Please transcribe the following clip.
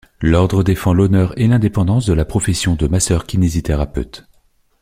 L’ordre défend l’honneur et l’indépendance de la profession de masseur-kinésithérapeute.